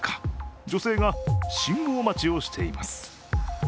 女性が信号待ちをしています。